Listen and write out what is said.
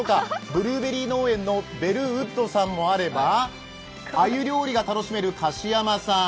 ブルーベリー農園のベルウッドさんもあればあゆ料理が楽しめるかしやまさん。